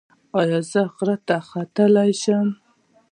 ایا زه غره ته وختلی شم؟